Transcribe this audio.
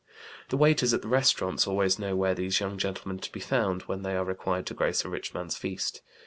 The waiters at the restaurants always know where these young gentlemen are to be found when they are required to grace a rich man's feast.